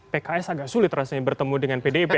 pks agak sulit rasanya bertemu dengan pdip